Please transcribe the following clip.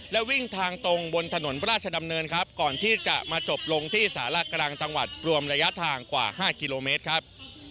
และวิ่งทางตรงบนถนนราชดำเนินครับก่อนที่จะมาจบลงที่สาระกลางจังหวัดรวมระยะทางกว่า๕กิโลเมตรครับ